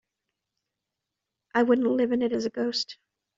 I wouldn't live in it as a ghost.